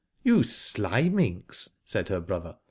" You sly minx," said her brother.